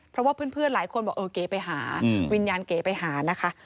เพราะว่าเพื่อนหลายคนบอกเออเก๋ไปหาวิญญาณเก๋ไปหานะคะ